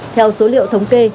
theo số liệu thống kê